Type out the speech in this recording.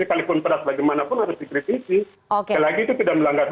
sekalipun peras bagaimanapun harus dikritisi